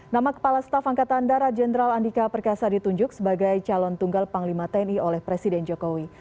nama kepala staf angkatan darat jenderal andika perkasa ditunjuk sebagai calon tunggal panglima tni oleh presiden jokowi